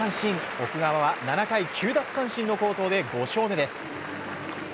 奥川は７回９奪三振の好投で５勝目です。